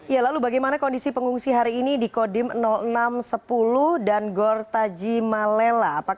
ya lalu bagaimana kondisi pengungsi hari ini di kodim enam ratus sepuluh dan gor taji malela